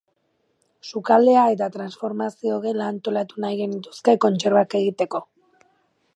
Sukaldea eta transformazio gela antolatu nahi genituzke kontserbak egiteko.